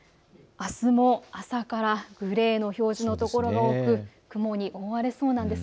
あすも朝からグレーの表示の所が多く、雲に覆われそうなんです。